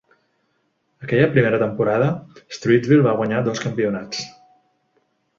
Aquella primera temporada Streetsville va guanyar dos campionats.